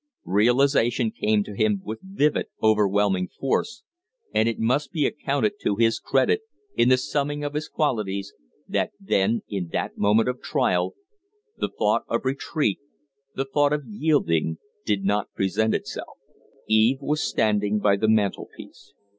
Realization came to him with vivid, overwhelming force; and it must be accounted to his credit, in the summing of his qualities, that then, in that moment of trial, the thought of retreat, the thought of yielding did not present itself. Eve was standing by the mantel piece.